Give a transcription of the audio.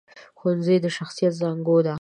ښوونځی د شخصیت زانګو ده